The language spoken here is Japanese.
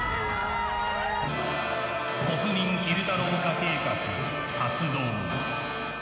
国民昼太郎化計画発動。